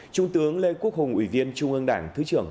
trung tướng lê quốc hùng ủy viên trung ương đảng thứ trưởng